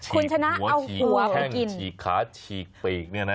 คุณชนะเอาหัวไปกินฉีกหัวฉีกแข้งฉีกขาฉีกไปอีกเนี่ยนะ